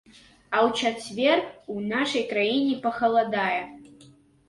А ў чацвер у нашай краіне пахаладае.